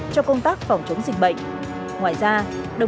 đổi sang mua rau